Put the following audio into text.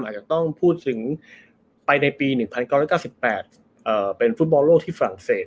อาจจะต้องพูดถึงไปในปี๑๙๙๘เป็นฟุตบอลโลกที่ฝรั่งเศส